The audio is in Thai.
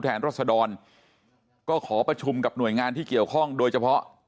รัศดรก็ขอประชุมกับหน่วยงานที่เกี่ยวข้องโดยเฉพาะ